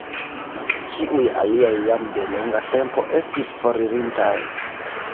Ĉiuj aliaj jam de longa tempo estis foririntaj.